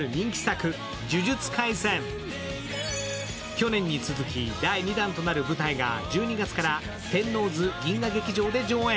去年に続き第２弾となる舞台が１２月から天王洲銀河劇場で上演。